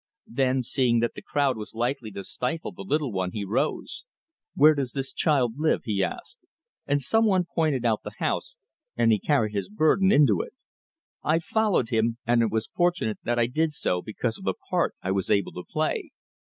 Then, seeing that the crowd was likely to stifle the little one, he rose. "Where does this child live?" he asked, and some one pointed out the house, and he carried his burden into it. I followed him, and it was fortunate that I did so, because of the part I was able to play.